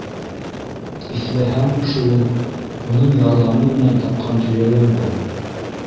Иҫләһәң, шул: уның ярҙамы менән тапҡан төйәгең был.